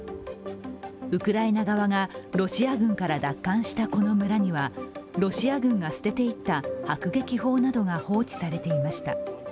ウクライナ側がロシア軍から奪還したこの村にはロシア軍が捨てていった迫撃砲などが放置されていました。